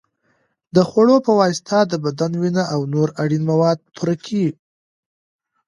د خوړو په واسطه د بدن وینه او نور اړین مواد پوره کړئ.